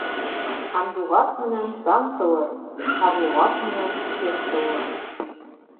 Һандуғас менән таң тыуыр, ҡарлуғас менән көн тыуыр.